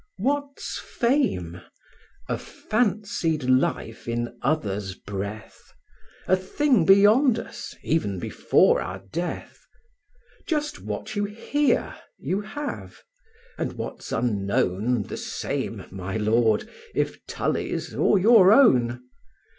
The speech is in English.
What's fame? a fancied life in others' breath, A thing beyond us, even before our death. Just what you hear, you have, and what's unknown The same (my Lord) if Tully's, or your own.